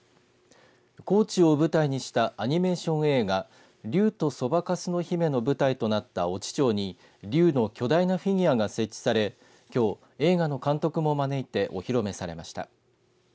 高知を舞台にしたアニメーション映画竜とそばかすの姫の舞台となった越知町に竜の巨大なフィギュアが設置されきょう、映画の監督も招いてお披露目されました。